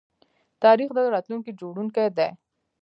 تاریخ د راتلونکي جوړونکی دی.